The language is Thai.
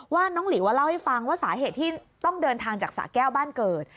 น้องหลิวเล่าให้ฟังว่าสาเหตุที่ต้องเดินทางจากสะแก้วบ้านเกิด